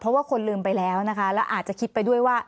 เพราะว่าคนลืมไปแล้วนะคะแล้วอาจจะคิดไปด้วยว่า